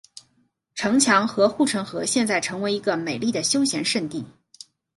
城墙和护城河现在成为一个美丽的休闲胜地。